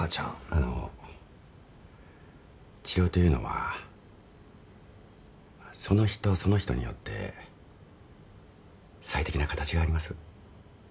あの治療というのはその人その人によって最適な形があります。